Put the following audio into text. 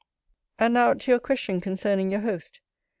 And, now, to your question concerning your host.